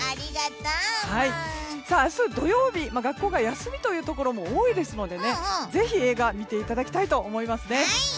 明日、土曜日学校が休みというところも多いですのでぜひ、映画を見ていただきたいと思いますね。